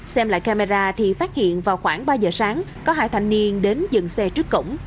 xem lại camera thì phát hiện vào khoảng ba giờ sáng có hai thanh niên đến dừng xe trước cổng